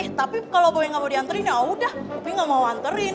eh tapi kalo boy ga mau dianterin yaudah popi ga mau anterin